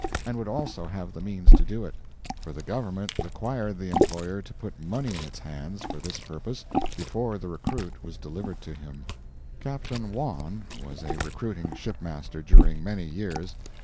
And would also have the means to do it; for the government required the employer to put money in its hands for this purpose before the recruit was delivered to him. Captain Wawn was a recruiting ship master during many years.